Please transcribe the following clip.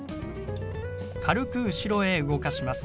軽く後ろへ動かします。